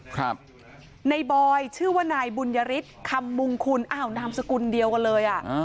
ครับในบอยชื่อว่านายบุญยฤทธิ์คำมุงคุณอ้าวนามสกุลเดียวกันเลยอ่ะอ่า